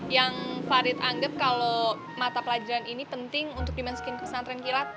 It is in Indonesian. yang farid anggap kalau mata pelajaran ini penting untuk dimasukin ke pesantren kilat